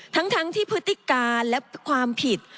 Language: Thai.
ทั้งที่พฤติการและความผิด